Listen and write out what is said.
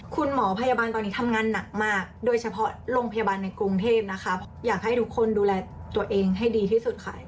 คุณหมอพยาบาลตอนนี้ทำงานหนักมากโดยเฉพาะโรงพยาบาลในกรุงเทพนะคะอยากให้ทุกคนดูแลตัวเองให้ดีที่สุดค่ะ